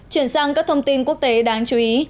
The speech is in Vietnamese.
chuyển sang các thông tin quốc tế đáng chú ý